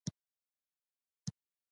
د هغو کسانو لپاره دي.